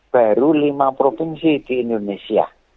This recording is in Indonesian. baru lima provinsi di indonesia